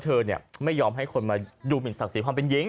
เธอไม่ยอมให้คนมาดูหมินศักดิ์ศรีความเป็นหญิง